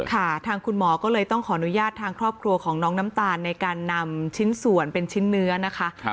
ค่ะทางคุณหมอก็เลยต้องขออนุญาตทางครอบครัวของน้องน้ำตาลในการนำชิ้นส่วนเป็นชิ้นเนื้อนะคะ